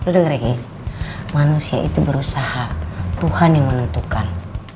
lo dengerin gigi manusia itu berusaha tuhan yang menentukan